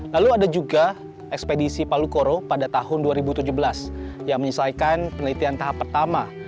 lalu ada juga ekspedisi palu koro pada tahun dua ribu tujuh belas yang menyelesaikan penelitian tahap pertama